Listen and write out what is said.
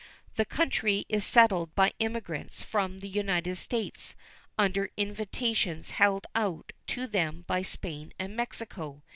The country is settled by emigrants from the United States under invitations held out to them by Spain and Mexico.